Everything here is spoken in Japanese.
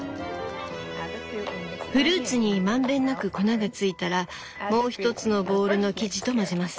「フルーツに満遍なく粉がついたらもう一つのボウルの生地と混ぜます。